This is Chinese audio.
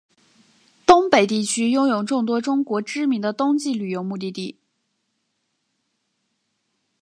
东北地区拥有众多中国知名的冬季旅游目的地。